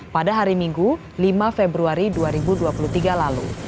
pada hari minggu lima februari dua ribu dua puluh tiga lalu